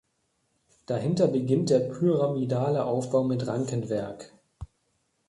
Dahinter beginnt der pyramidale Aufbau mit Rankenwerk.